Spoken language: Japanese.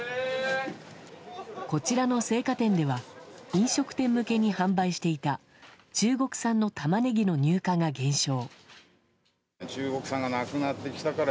こちらの青果店では飲食店向けに販売していた中国産のタマネギの入荷が減少。